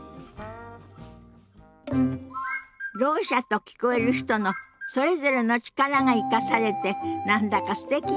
ろう者と聞こえる人のそれぞれの力が生かされて何だかすてきよね。